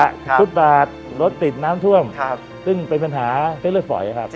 ก็นี่ค่ะขยะสุดบาทรถติดน้ำท่วมซึ่งเป็นปัญหาเต็มเลือดฝ่อยนะครับ